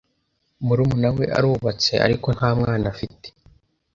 Murumuna we arubatse, ariko nta mwana afite.